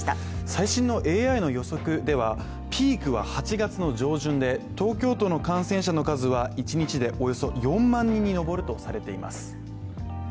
最新のＡＩの予測では、ピークは８月の上旬で、東京都の感染者の数は、１日でおよそ４万人に上るとされています。